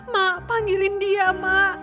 ma panggilin dia ma